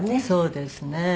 そうですね。